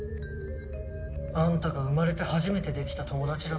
あんたが生まれて初めてできた友達だったよ。